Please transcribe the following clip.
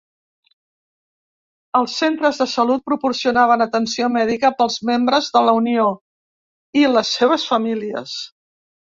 Els centres de salud proporcionaven atenció mèdica pels membres de la unió i les seves famílies.